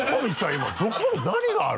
今どこに何がある？